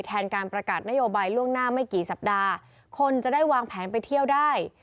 แทนการประกาศนโยบายล่วงหน้าไม่กี่สัปดาห์คนจะได้วางแผนไปเที่ยวได้